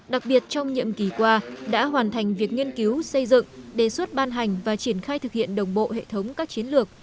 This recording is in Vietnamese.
đặc biệt trong nhiệm kỳ qua đã hoàn thành việc nghiên cứu xây dựng đề xuất ban hành và triển khai thực hiện đồng bộ hệ thống các chiến lược